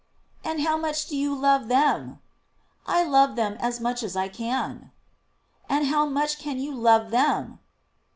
"And how much do you love them?" "I love them as much as I can." "And how much can you love them?"